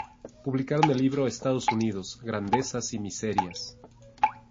Publicaron el libro "Estados Unidos, Grandezas y Miserias".